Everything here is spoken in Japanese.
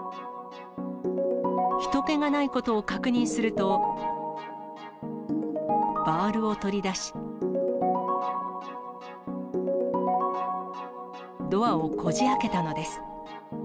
ひと気がないことを確認すると、バールを取り出し、ドアをこじあけたのです。